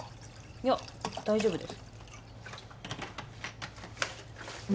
いや大丈夫です